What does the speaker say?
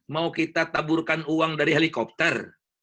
mau kita taburkan uang dari helikopter